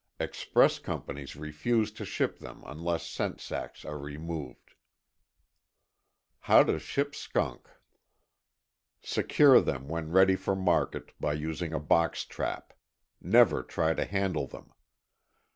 Express companies refuse to ship them unless scent sacks are removed. 22.ŌĆöHow to Ship Skunk. Secure them when ready for market, by using a box trap. Never try to handle them.